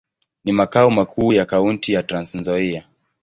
Ni makao makuu ya kaunti ya Trans-Nzoia.